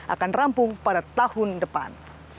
akan rampung pada tahun depan